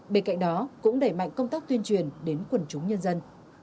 bên cạnh đó cũng đẩy mạnh công tác tuyên truyền đến quần chúng nhân dân